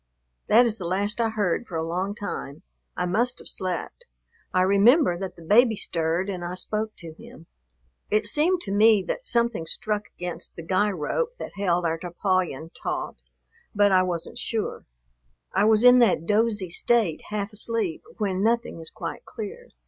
That is the last I heard for a long time. I must have slept. I remember that the baby stirred and I spoke to him. It seemed to me that something struck against the guy rope that held our tarpaulin taut, but I wasn't sure. I was in that dozy state, half asleep, when nothing is quite clear.